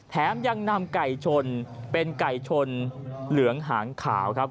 ยังนำไก่ชนเป็นไก่ชนเหลืองหางขาวครับ